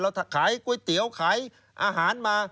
ถ้าขายก๋วยเตี๋ยวขายอาหารมา